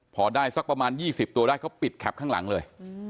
พอได้สักประมาณ๒๐ตัวได้เขาปิดแคปข้างหลังเลย